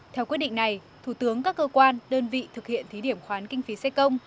theo quyết định này thủ tướng các cơ quan đơn vị thực hiện thí điểm khoán kinh phí xe công